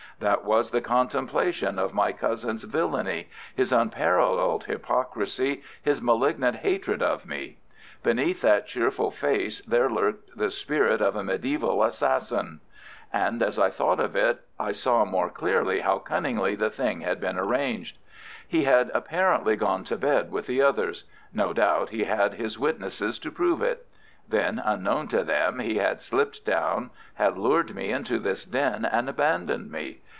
That was the contemplation of my cousin's villainy, his unparalleled hypocrisy, his malignant hatred of me. Beneath that cheerful face there lurked the spirit of a mediæval assassin. And as I thought of it I saw more clearly how cunningly the thing had been arranged. He had apparently gone to bed with the others. No doubt he had his witnesses to prove it. Then, unknown to them, he had slipped down, had lured me into this den and abandoned me.